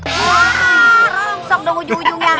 wah rongsong dong ujung ujungnya